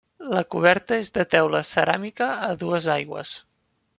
La coberta és de teula ceràmica a dues aigües.